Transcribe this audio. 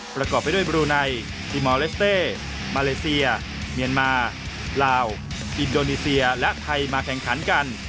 ประกอบไปด้วยบรูไนติมอลเลสเต้มาเลเซียเมียนมาลาวอินโดนีเซียและไทยมาแข่งขันกัน